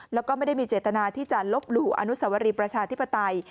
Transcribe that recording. แล้วก็ไม่ได้มีเจตนาที่จะลบหลู่อนุสวรีประชาธิปไตย